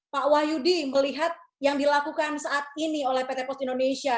pak wahyudi melihat yang dilakukan saat ini oleh pt pos indonesia